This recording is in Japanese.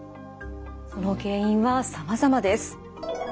その原因はさまざまです。